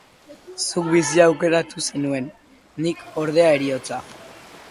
Zuk bizia aukeratu zenuen; nik, ordea, heriotza